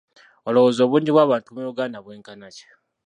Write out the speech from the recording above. Olowooza obungi bw'abantu mu Uganda bwenkana ki?